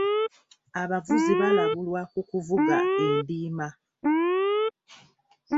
Abavuzi balabulwa ku kuvuga endiima.